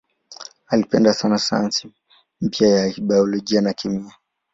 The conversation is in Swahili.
Alipenda sana sayansi mpya za biolojia na kemia.